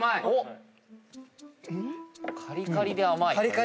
カリカリで甘い？